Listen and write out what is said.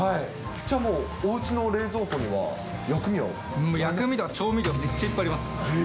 じゃあもう、おうちの冷蔵庫薬味とか調味料、めっちゃいっぱいあります。